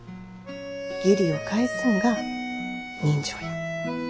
義理を返すんが人情や。